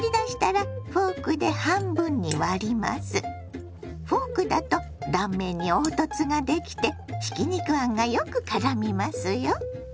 取り出したらフォークだと断面に凹凸ができてひき肉あんがよくからみますよ。